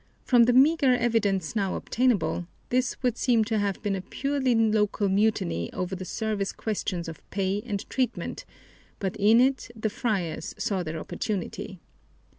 From the meager evidence now obtainable, this would seem to have been purely a local mutiny over the service questions of pay and treatment, but in it the friars saw their opportunity.